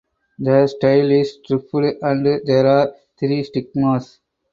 The style is trifid and there are three stigmas.